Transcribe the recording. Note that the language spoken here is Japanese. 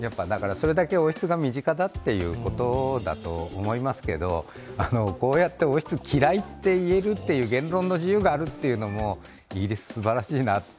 それだけ王室が身近だということだと思いますけど、こうやって王室、嫌いと言える言論の自由があるというのもイギリス、すばらしいなって。